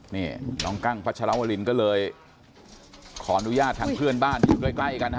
นี่น้องกั้งพัชรวรินก็เลยขออนุญาตทางเพื่อนบ้านอยู่ใกล้กันฮะ